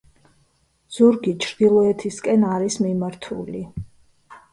ზურგი ჩრდილოეთისკენ არის მიმართული.